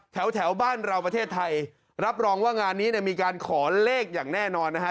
แถวบ้านเราประเทศไทยรับรองว่างานนี้เนี่ยมีการขอเลขอย่างแน่นอนนะฮะ